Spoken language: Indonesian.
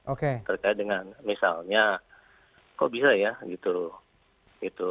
oke terkait dengan misalnya kok bisa ya gitu loh